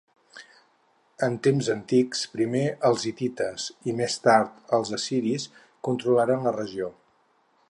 En temps antics, primer els hitites i més tard els assiris controlaren la regió.